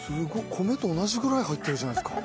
米と同じぐらい入ってるじゃないですか。